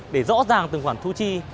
để rõ ràng từng khoản thu chi